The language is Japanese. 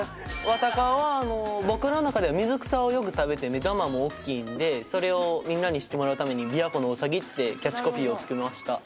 ワタカはあの僕の中では水草をよく食べて目玉もおっきいんでそれをみんなに知ってもらうために「びわ湖のウサギ」ってキャッチコピーを付けました。